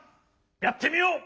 やってみよう！